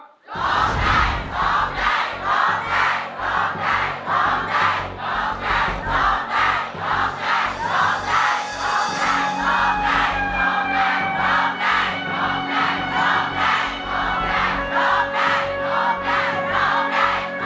ร้องได้ร้องได้ร้องได้ร้องได้ร้องได้